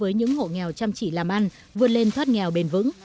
với những hộ nghèo chăm chỉ làm ăn vượt lên thoát nghèo bền vững